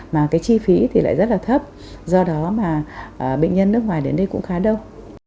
mà cái chi phí thì lại rất là thấp do đó mà bệnh nhân nước ngoài đến đây cũng khá đông